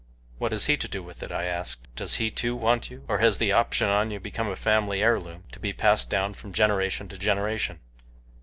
"What has he to do with it?" I asked. "Does he too want you, or has the option on you become a family heirloom, to be passed on down from generation to generation?"